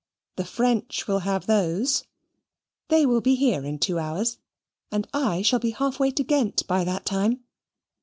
The French will have those. They will be here in two hours, and I shall be half way to Ghent by that time.